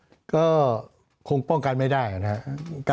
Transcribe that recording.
ป้องกันได้มั้ยคะก็คงป้องกันไม่ได้นะครับ